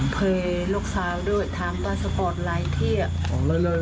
เพลย์ลูกสาวด้วยทำตัวสปอร์ตรายเทียบอ๋อเลยเลยเลย